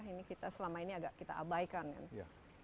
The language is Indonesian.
ini kita selama ini agak kita abaikan kan